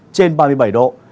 trên ba mươi bảy độ